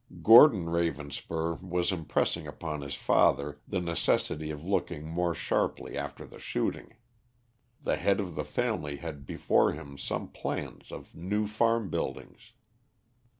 Gordon Ravenspur was impressing upon his father the necessity of looking more sharply after the shooting. The head of the family had before him some plans of new farm buildings.